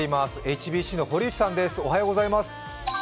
ＨＢＣの堀内さんです。